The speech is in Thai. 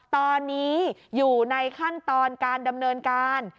ตอนนี้อยู่ในขั้นตอนการดำเนินการ